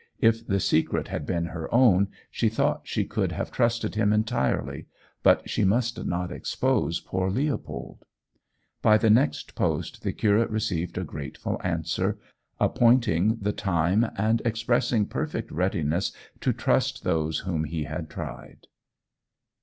If the secret had been her own, she thought she could have trusted him entirely; but she must not expose poor Leopold. By the next post the curate received a grateful answer, appointing the time, and expressing perfect readiness to trust those whom he had tried.